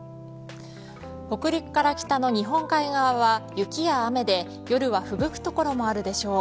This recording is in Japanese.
北陸から北の日本海側は雪や雨で夜はふぶく所もあるでしょう。